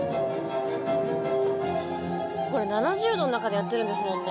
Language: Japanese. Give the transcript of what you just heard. ・これ７０℃の中でやっているんですもんね。